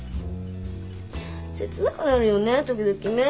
切なくなるよね時々ね。